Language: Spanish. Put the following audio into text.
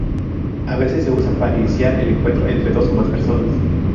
A veces se usa para indicar el encuentro entre dos o más personas.